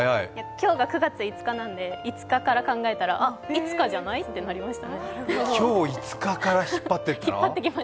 今日が９月５日なので、５日から考えたら、あっ、「いつか」じゃない？ってなりました。